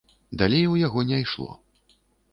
Далей у яго не ішло.